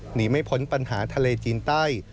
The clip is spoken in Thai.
หนีไม่พ้นปัญหาทะเลจีนใต้